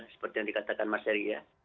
seperti yang dikatakan mas heri ya